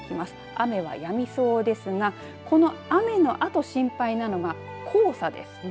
雨はやみそうですがこの雨のあと心配なのが黄砂です。